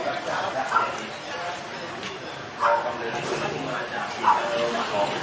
สวัสดีครับไขล่โลพมากไขล่โลพมาก